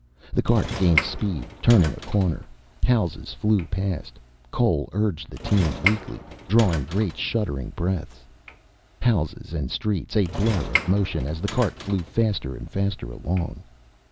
The cart gained speed, turning a corner. Houses flew past. Cole urged the team weakly, drawing great shuddering breaths. Houses and streets, a blur of motion, as the cart flew faster and faster along.